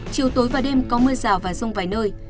chiều tối và đêm có mưa rào và rông vài nơi